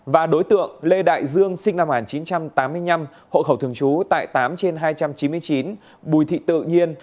và đối tượng lê đại dương sinh năm một nghìn chín trăm tám mươi năm hộ khẩu thường trú tại tám trên hai trăm chín mươi chín bùi thị tự nhiên